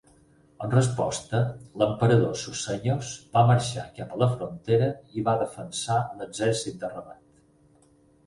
En resposta, l'emperador Susenyos va marxar cap a la frontera i va defensar l'exèrcit de Rabat.